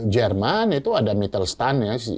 jerman itu ada mittelstand